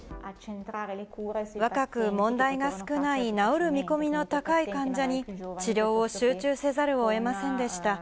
若く問題が少ない治る見込みの高い患者に、治療を集中せざるをえませんでした。